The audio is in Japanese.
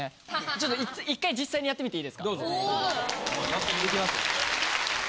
ちょっと１回実際にやってみていいですか？